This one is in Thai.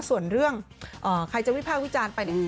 ส่วนเรื่องใครจะวิภาควิจารณ์ไปเนี่ย